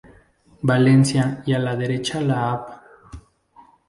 Valencia y a la derecha la Av.